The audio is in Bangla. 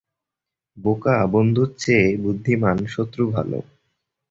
বোকা বন্ধুর চেয়ে বুদ্ধিমান শত্রু ভালো।